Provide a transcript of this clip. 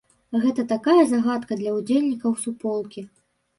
Гэта такая загадка для ўдзельнікаў суполкі.